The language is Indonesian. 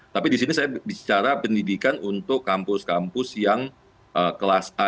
tapi di sini saya bicara pendidikan untuk kampus kampus yang kelas a